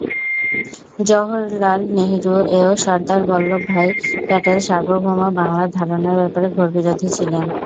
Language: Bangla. জওহরলাল নেহরু ও সর্দার বল্লভভাই প্যাটেল সার্বভৌম বাংলার ধারণার ব্যাপারে ঘোর বিরোধী ছিলেন।